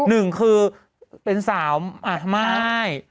หนึ่งคือเป็นสาวม่าย